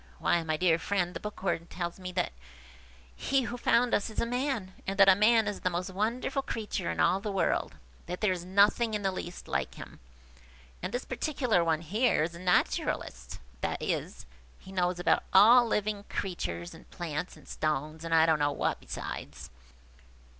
Why, my dear friend, the Bookworm tells me that he who found us is a man, and that a man is the most wonderful creature in all the world; that there is nothing in the least like him. And this particular one here is a naturalist; that is, he knows all about living creatures, and plants, and stones, and I don't know what besides.